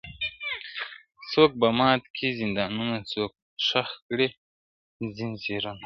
څوک به مات کي زندانونه څوک به ښخ کړي ځینځیرونه!!